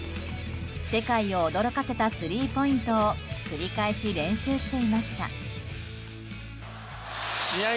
世界を驚かせたスリーポイントを繰り返し、練習していました。